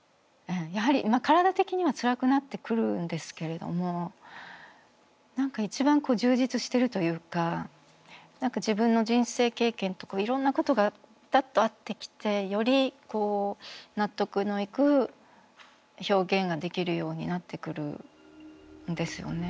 やはり体的にはつらくなってくるんですけれども何か一番充実してるというか自分の人生経験とかいろんなことがピタッと合ってきてより納得のいく表現ができるようになってくるんですよね。